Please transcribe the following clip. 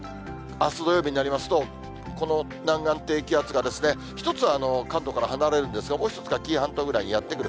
あす土曜日になりますと、この南岸低気圧が１つは関東から離れるんですが、もう１つが紀伊半島ぐらいにやって来る。